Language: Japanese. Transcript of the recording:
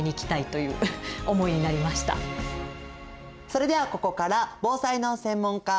それではここから防災の専門家